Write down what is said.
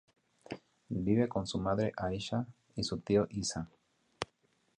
Vive con su madre Aisha y su tío Issa.